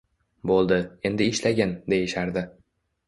Bo’ldi, endi ishlagin”, deyishardi.